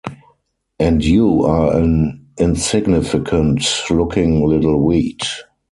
And you are an insignificant-looking little weed.